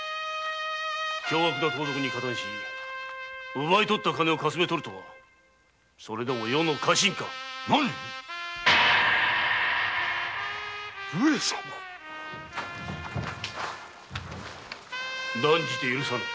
凶悪な盗賊に加担し奪い取った金を掠めとるとはそれでも余の家臣か上様断じて許さぬ。